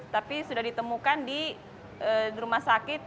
tapi sudah ditemukan di rumah sakit